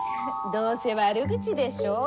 どうせ悪口でしょう？